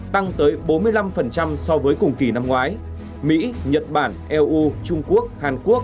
tăng tới bốn mươi năm so với cùng kỳ năm ngoái mỹ nhật bản eu trung quốc hàn quốc